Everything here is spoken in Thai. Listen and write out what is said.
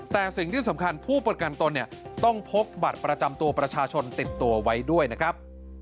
แต่สิ่งที่สำคัญผู้ประกันตนเนี่ยต้องพกบัตรประจำตัวประชาชนติดตัวไว้ด้วยนะครับ